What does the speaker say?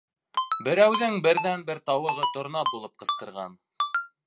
Берәүҙең берҙән-бер тауығы торна булып ҡысҡырған.